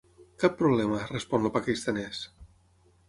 Cap problema —respon el paquistanès—.